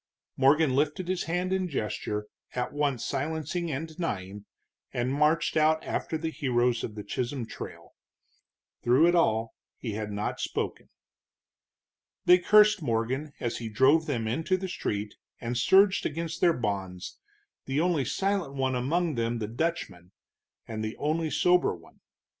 Morgan lifted his hand in gesture at once silencing and denying, and marched out after the heroes of the Chisholm Trail. Through it all he had not spoken. They cursed Morgan as he drove them into the street, and surged against their bonds, the only silent one among them the Dutchman, and the only sober one.